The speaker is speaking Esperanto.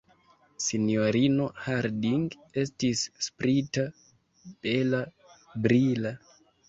Sinjorino Harding estis sprita, bela, brila.